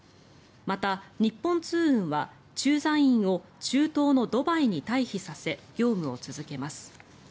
また、日本通運は駐在員を中東のドバイに退避させ業務を続けます。